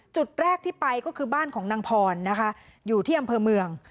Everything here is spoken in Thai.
จุดแรกที่ไปก็คือบ้านของนางพรนะคะอยู่ที่อำเภอเมือง